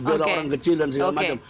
biar orang kecil dan segala macam